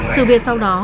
sự việc sau đó